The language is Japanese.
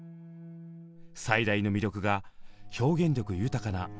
最大の魅力が表現力豊かな歌声。